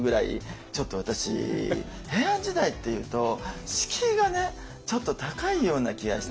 ちょっと私平安時代っていうと敷居がねちょっと高いような気がして。